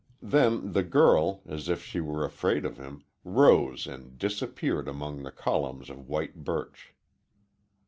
Then the girl, as if she were afraid of him, rose and disappeared among the columns of white birch.